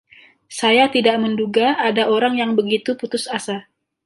Saya tidak menduga ada orang yang begitu putus asa.